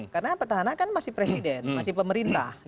karena petahana kan masih presiden masih pemerintah